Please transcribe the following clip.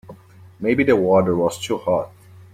Maybe the water was too hot.